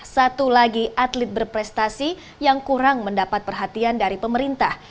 satu lagi atlet berprestasi yang kurang mendapat perhatian dari pemerintah